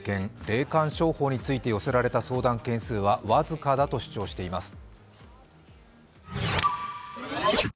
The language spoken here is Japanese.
霊感商法について寄せられた相談件数は僅かだと主張しています。